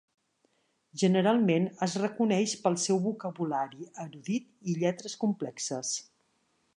Generalment es reconeix pel seu vocabulari erudit i lletres complexes.